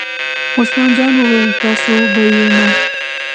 عثمان جان وویل: ساتو به یې نو.